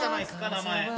名前。